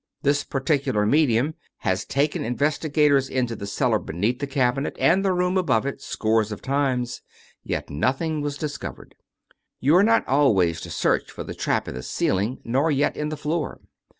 This particular medium has taken investigators into the cellar beneath the cabinet, and the room above it, scores of times, yet nothing was discovered. You are not always to search for the trap in the ceiling, nor yet in the floor.